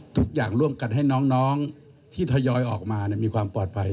ทุกอย่างร่วมกันให้น้องที่ทยอยออกมามีความปลอดภัย